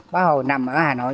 bá hồ nằm ở hà nội